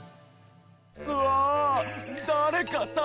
うわ！